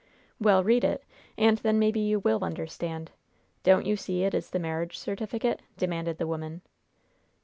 "Well, read it, and then maybe you will understand. Don't you see it is the marriage certificate?" demanded the woman.